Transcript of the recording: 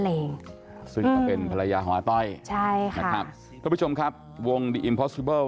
เลยซึ่งเป็นภรรยาหัวต้อยใช่ค่ะทุกผู้ชมครับวงดิอิมพอซิบัล